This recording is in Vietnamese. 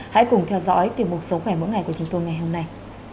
hãy cùng theo dõi tìm một số khỏe mỗi ngày của chúng tôi ngày hôm nay